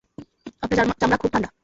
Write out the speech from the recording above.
আপনার চামড়া খুব ঠান্ডা।